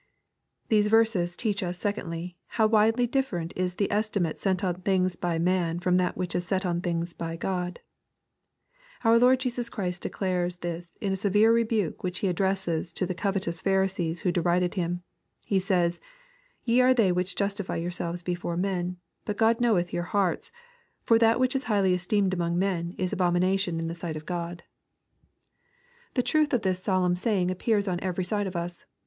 These verses teach us, secondly, how widely different is the estimate set on things by man from that which is set on things by God. Our Lord Jesus Christ declares this in a severe rebuke which he addresses to the cove tous Pharisees who derided Him. He says, " Te are they which justify yourselves before men ; but God knoweth your hearts : for that which is highly esteemed among men is abomination in the sight of God." LUKK, CHAP. XVI. 207 The truth of this solemn saying appears on every side of us.